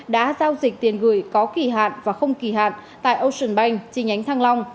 đã giao dịch tiền gửi có kỳ hạn và không kỳ hạn tại ocean bank chi nhánh thăng long